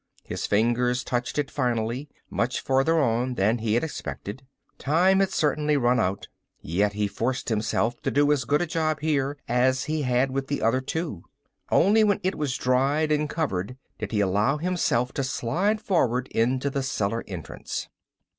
His fingers touched it finally, much farther on than he had expected. Time had certainly run out. Yet he forced himself to do as good a job here as he had with the other two. Only when it was dried and covered did he allow himself to slide forward into the cellar entrance.